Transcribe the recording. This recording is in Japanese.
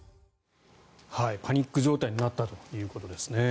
パニック状態になったということですね。